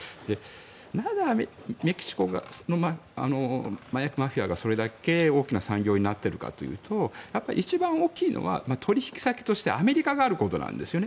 なぜメキシコの麻薬マフィアがそれだけ大きな産業になっているかというと一番大きいのは取引先としてアメリカがあることなんですね。